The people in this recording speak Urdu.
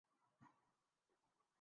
پیغمبر اور خدا کا تعلق کیا ہے؟